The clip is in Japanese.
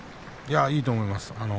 いいと思います。